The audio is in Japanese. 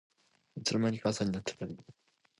いつの間にか朝になってたり